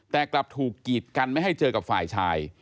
แต่กลับถูกกีดกันไม่ให้เจอกับฝ่ายชาย